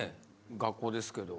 学校ですけど。